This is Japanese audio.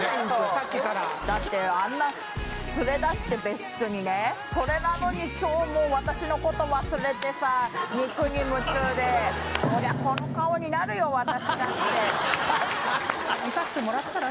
さっきからだってあんな連れ出して別室にねそれなのに今日もう私のこと忘れてさ肉に夢中で私だって見させてもらったら？